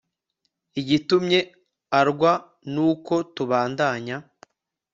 igitumye arwaNuko tubandany………